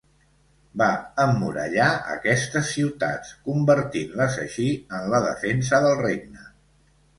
Va emmurallar aquestes ciutats, convertint-les així en la defensa del regne.